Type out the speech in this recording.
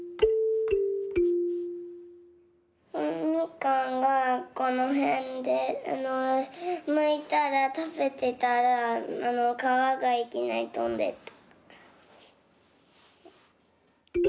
みかんがこのへんでむいたらたべてたらあのかわがいきなりとんでった。